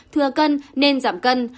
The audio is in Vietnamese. thừa cân nên giảm cân